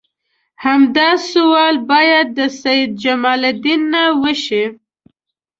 همدا سوال باید د سید جمال الدین نه وشي.